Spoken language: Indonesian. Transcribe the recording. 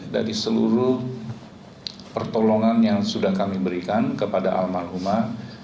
dari seluruh pertolongan yang sudah kami berikan kepada almarhumah